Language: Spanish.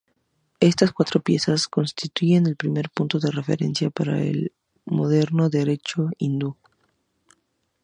Estas cuatro piezas constituyen el primer punto de referencia para el moderno derecho hindú.